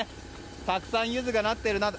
たくさんユズがなっているなと。